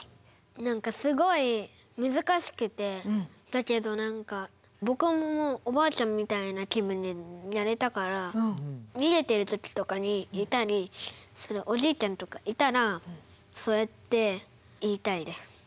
何かすごい難しくてだけど何か僕もおばあちゃんみたいな気分でやれたから逃げてる時とかにいたりするおじいちゃんとかいたらそうやって言いたいです。